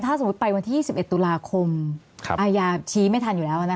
ถ้าสมมุติไปวันที่๒๑ตุลาคมอายาชี้ไม่ทันอยู่แล้ว